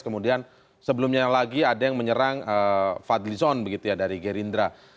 kemudian sebelumnya lagi ada yang menyerang fadli zon begitu ya dari gerindra